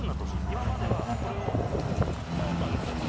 今まではこれをポンと上げてた。